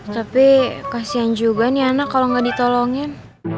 tapi kasihan juga nih anak kalau gak ditolongin